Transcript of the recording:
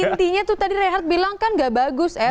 tapi intinya tuh tadi reinhardt bilang kan nggak bagus ya